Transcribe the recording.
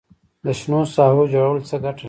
د شنو ساحو جوړول څه ګټه لري؟